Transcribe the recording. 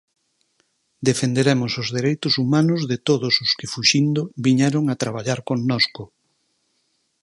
Defenderemos os dereitos humanos de todos os que fuxindo viñeron a traballar connosco.